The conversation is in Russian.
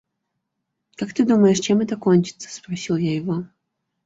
«Как ты думаешь, чем это кончится?» – спросил я его.